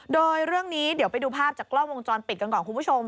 โดยเรื่องนี้เดี๋ยวไปดูภาพจากกล้องวงจรปิดกันก่อนคุณผู้ชม